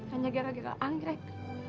hanya gara gara anggrek